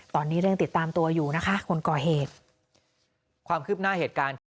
ตอนนี้เรื่องติดตามตัวอยู่นะคะคุณก่อเหตุ